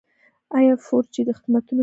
آیا فور جي خدمتونه شته؟